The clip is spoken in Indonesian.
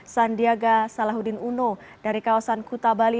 sandiaga salahuddin uno dari kawasan kuta bali